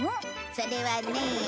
それはね。